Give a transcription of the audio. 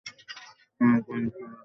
এবং আমাকে অনেক ভালোবাসত।